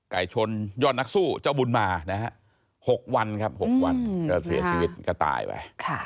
ไก่ชนยอดนักสู้เจ้าบุญมานะฮะ๖วันครับ๖วันก็เสียชีวิตก็ตายไป